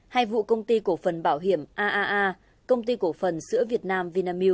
hay vụ công ty cổ phần bảo hiểm aaa công ty cổ phần sữa việt nam vinamil